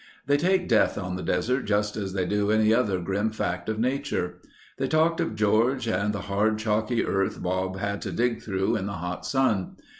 They take death on the desert just as they do any other grim fact of nature. They talked of George and the hard, chalky earth Bob had to dig through in the hot sun.